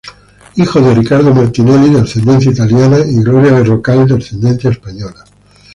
Hijo de Ricardo Martinelli, de ascendencia italiana y Gloria Berrocal de ascendencia española.